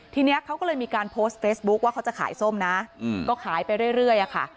ทีนี้เขาก็เลยมีการโพสต์เฟซบุ๊คว่าเขาจะขายส้มนะก็ขายไปเรื่อยอะค่ะ